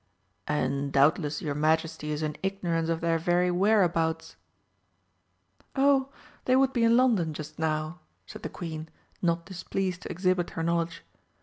"And doubtless your Majesty is in ignorance of their very whereabouts." "Oh, they would be in London just now," said the Queen, not displeased to exhibit her knowledge.